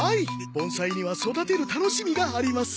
盆栽には育てる楽しみがあります。